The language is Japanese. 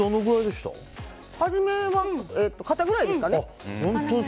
はじめは、肩ぐらいですかね。